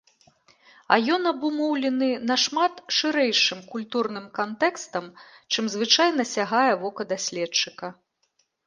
А ён абумоўлены нашмат шырэйшым культурным кантэкстам, чым звычайна сягае вока даследчыка.